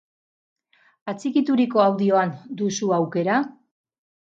Atxikituriko audioan duzu aukera?